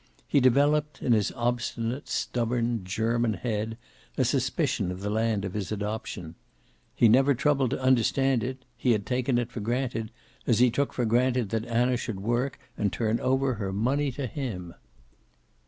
He developed, in his obstinate, stubborn, German head a suspicion of the land of his adoption. He had never troubled to understand it. He had taken it for granted, as he took for granted that Anna should work and turn over her money to him.